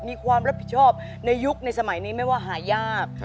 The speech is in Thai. มีความรับผิดชอบในยุคในสมัยนี้ไม่ว่าหายาก